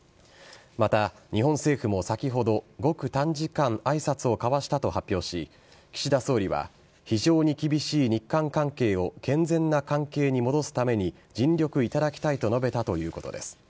また、日本政府も先ほどごく短時間挨拶を交わしたと発表し岸田総理は非常に厳しい日韓関係を健全な関係に戻すために尽力いただきたいと述べたということです。